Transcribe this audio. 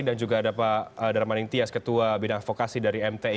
dan juga ada pak darmanin tias ketua bidang fokasi dari mti